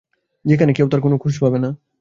যেখানে কেউ তাঁর কোনো খোঁজ পাবে না।